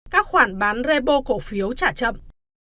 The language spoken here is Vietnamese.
các khoản bán repo cổ phiếu trả chậm